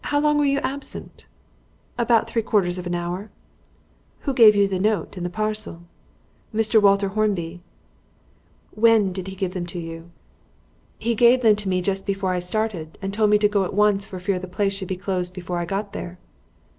"How long were you absent?" "About three quarters of an hour." "Who gave you the note and the parcel?" "Mr. Walter Hornby." "When did he give them to you?" "He gave them to me just before I started, and told me to go at once for fear the place should be closed before I got there."